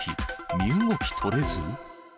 身動き取れず？